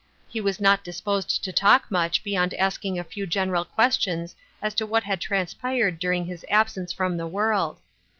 He was not disposed to talk much beyond asking a few general questions as to what had transpired during his absence from the world.